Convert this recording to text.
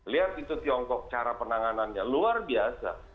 lihat itu tiongkok cara penanganannya luar biasa